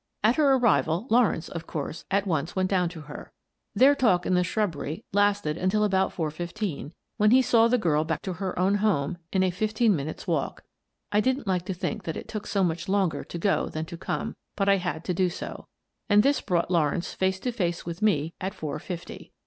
At her arrival Lawrence, of course, at once went down to her. Their talk in the shrubbery lasted until about four fifteen, when he saw the girl back to her own home in a fifteen minutes' walk (I didn't like to think that it took so much longer to go than' to come, but I had to do so), and this brought Law rence face to face with me at four fifty.